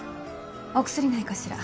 お薬ないかしら？